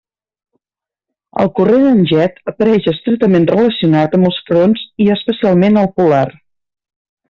El corrent en Jet apareix estretament relacionat amb els fronts i especialment al polar.